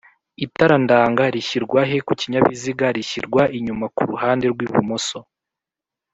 itara ndanga rishyirwa he kukinyabiziga?rishyirwa inyuma kuruhande rw’ibumoso